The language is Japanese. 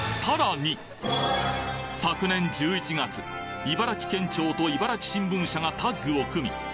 昨年１１月茨城県庁と茨城新聞社がタッグを組み